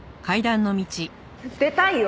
出たいよ！